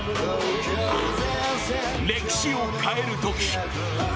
歴史を変えるとき。